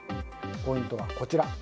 ポイントはこちら。